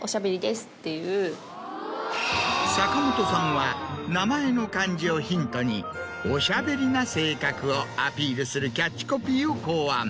坂本さんは名前の漢字をヒントにおしゃべりな性格をアピールするキャッチコピーを考案。